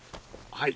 はい。